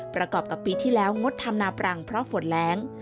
ประกอบกับปีที่แล้วงดทำนาปรังเพราะฝนแรง